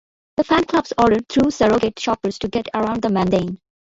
The fan clubs ordered through surrogate shoppers to get around the mandate.